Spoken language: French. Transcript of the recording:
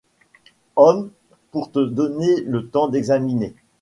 Homme, pour te donner le temps d’examiner